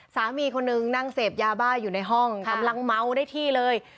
สามีคนนึงนั่งเสพยาบ้าอยู่ในห้องกำลังเมาได้ที่เลย